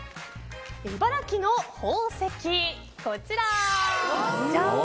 茨城の宝石、こちら。